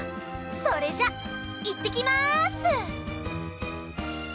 それじゃいってきます！